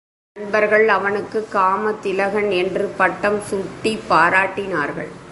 நண்பர்கள் அவனுக்குக் காமதிலகன் என்று பட்டம் சூட்டிப் பாராட்டினார்கள்.